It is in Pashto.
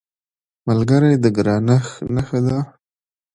ملګری د ګرانښت نښه ده